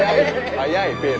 速いペースが。